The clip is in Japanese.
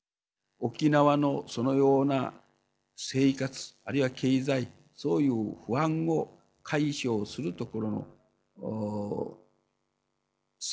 沖縄のそのような生活あるいは経済そういう不安を解消するところの策をね